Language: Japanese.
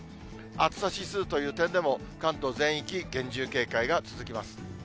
暑さ指数という点でも、関東全域、厳重警戒が続きます。